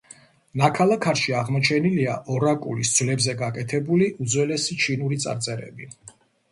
ნაქალაქარში აღმოჩენილია ორაკულის ძვლებზე გაკეთებული უძველესი ჩინური წარწერები.